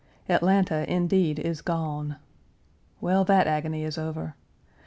Atlanta, indeed, is gone. Well, that agony is over.